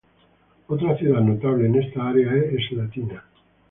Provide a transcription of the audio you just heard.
Otra ciudad notable en esta área es Slatina.